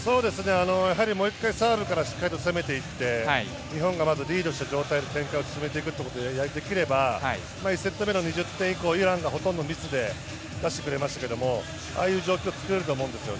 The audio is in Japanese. もう一回、サーブからしっかり攻めていって日本がまずリードした状態で展開を進めていくということができれば１セット目の２０点以降、イランがほとんどミスで出してくれましたけどああいう状況をつくれると思うんです。